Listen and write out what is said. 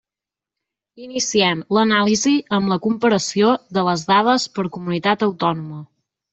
Iniciem l'anàlisi amb la comparació de les dades per comunitat autònoma.